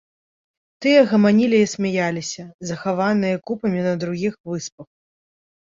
Тыя гаманілі і смяяліся, захаваныя купамі на другіх выспах.